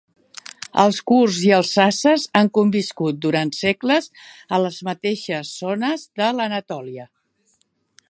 Els kurds i els zazes han conviscut durant segles a les mateixes zones de l'Anatòlia.